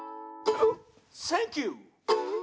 「センキュー！」